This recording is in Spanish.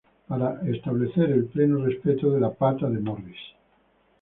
Para establecer el pleno respeto de la "pata" de Morris.